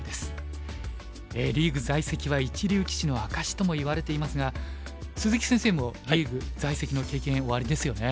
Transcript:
リーグ在籍は一流棋士の証しともいわれていますが鈴木先生もリーグ在籍の経験おありですよね？